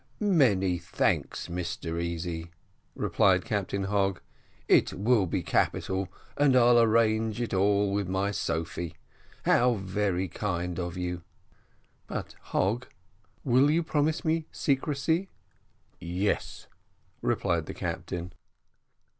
"Many thanks, Mr Easy," replied Captain Hogg; "it will be capital, and I'll arrange it all with my Julia. How very kind of you!" "But, Hogg, will you promise me secrecy?" "Yes," replied the captain.